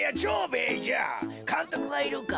かんとくはいるか？